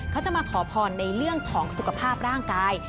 เขาจะมาขอพรในเรื่องของสุขภาพร่างกาย